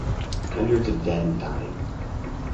Hundreds of dead and dying.